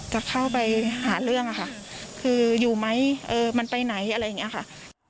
จะเข้าไปหาเรื่องค่ะคืออยู่ไหมเออมันไปไหนอะไรอย่างนี้ค่ะ